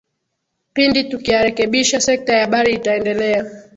pindi tukiyarekebisha sekta ya habari itaendelea